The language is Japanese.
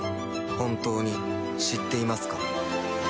本当に知っていますか。